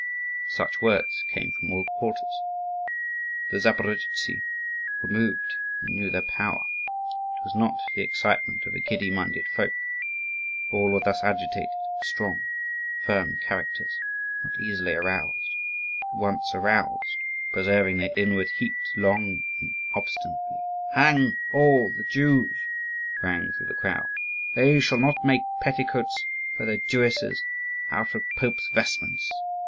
Such words came from all quarters. The Zaporozhtzi were moved, and knew their power. It was not the excitement of a giddy minded folk. All who were thus agitated were strong, firm characters, not easily aroused, but, once aroused, preserving their inward heat long and obstinately. "Hang all the Jews!" rang through the crowd. "They shall not make petticoats for their Jewesses out of popes' vestments!